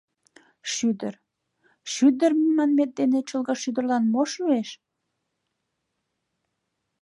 Шӱдыр, шӱдыр манмет дене Чолгашӱдырлан мо шуэш?